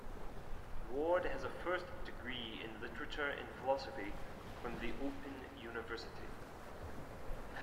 Ward has a first degree in Literature and Philosophy from the Open University.